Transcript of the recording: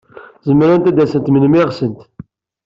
Zemrent ad d-asent melmi ɣsent.